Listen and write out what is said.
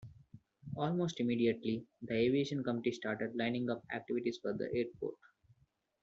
Almost immediately, the aviation committee started lining up activities for the airport.